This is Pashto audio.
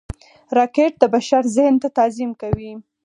راکټ د بشر ذهن ته تعظیم کوي